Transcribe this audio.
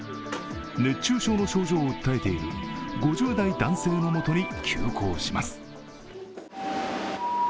熱中症の症状を訴えている５０代男性のもとに急行します。